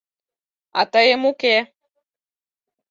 А тыйым — уке!